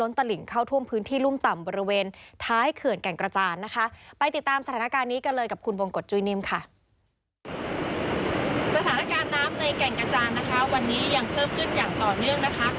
สถานการณ์น้ำในแก่งกระจานนะคะวันนี้ยังเพิ่มขึ้นอย่างต่อเนื่องนะคะ